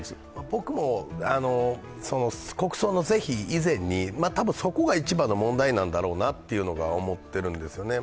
僕も国葬のぜひ以前に、多分そこが一番の問題なんだろうなと思っているんですよね。